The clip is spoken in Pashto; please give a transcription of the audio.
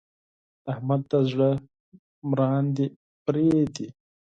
د احمد د زړه مراندې پرې دي.